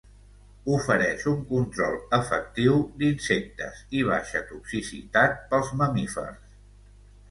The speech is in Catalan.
Ofereix un control efectiu d'insectes i baixa toxicitat pels mamífers.